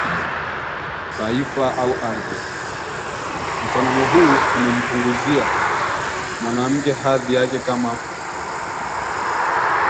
taifa au ardhi? Mfanano huo umempunguzia mwanamke hadhi yake kama